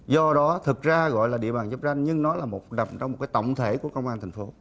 do đó thực ra gọi là địa bàn giáp ranh nhưng nó là một đầm trong tổng thể của công an thành phố